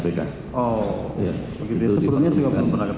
sebelumnya juga belum pernah ketemu